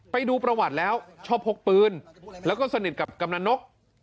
ไปดูประวัติแล้วชอบพกปืนแล้วก็สนิทกับกำลังนก